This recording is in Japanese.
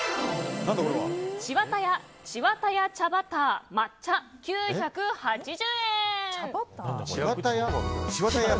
ちわたやちわたや茶バター９８０円。